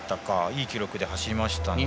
いい記録で走りましたので。